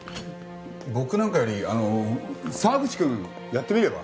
僕なんかよりあの沢口くんやってみれば？